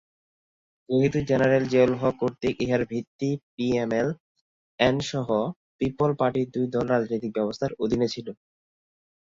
যেহেতু জেনারেল জিয়াউল হক কর্তৃক ইহার ভিত্তি, পিএমএল-এন সহ পিপলস পার্টি দুই দল রাজনৈতিক ব্যবস্থার অধীন ছিল।